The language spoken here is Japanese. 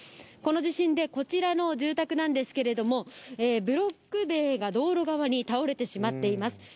この地震でこちらの住宅なんですけれども、ブロック塀が道路側に倒れてしまっています。